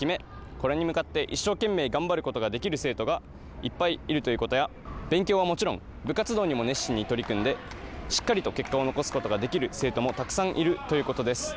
これに向かって一生懸命頑張ることができる生徒がいっぱいいることや勉強はもちろん部活動にも熱心に取り組んでしっかりと結果を残すことが出来る生徒がたくさんいるということです。